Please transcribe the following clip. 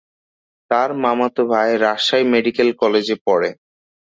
তার মামাতো ভাই রাজশাহী মেডিকেল কলেজে পড়ে।